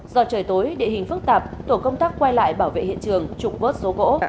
do trời tối địa hình phức tạp tổ công tác quay lại bảo vệ hiện trường trục vớt số gỗ